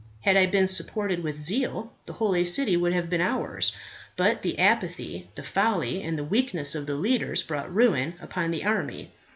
Had I been supported with zeal, the holy city would have been ours; but the apathy, the folly, and the weakness of the leaders brought ruin upon the army.